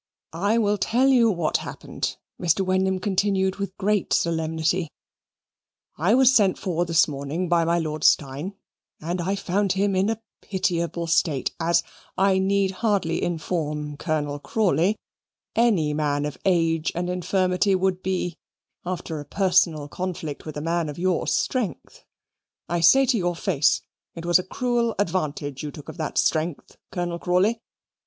"I will tell you what happened," Mr. Wenham continued with great solemnity; "I was sent for this morning by my Lord Steyne, and found him in a pitiable state, as, I need hardly inform Colonel Crawley, any man of age and infirmity would be after a personal conflict with a man of your strength. I say to your face; it was a cruel advantage you took of that strength, Colonel Crawley.